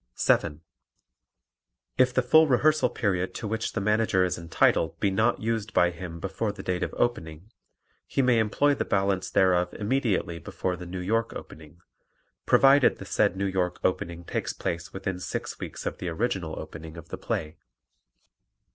7. If the full rehearsal period to which the Manager is entitled be not used by him before the date of opening, he may employ the balance thereof immediately before the New York opening, provided the said New York opening takes place within six weeks of the original opening of the play.